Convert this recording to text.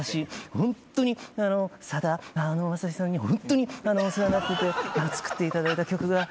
ホントにさだまさしさんにホントにお世話になってて作っていただいた曲があります。